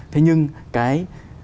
thế nhưng cái